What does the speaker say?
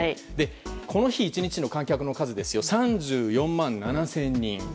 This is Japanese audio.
この日、１日の観客の数３４万７０００人。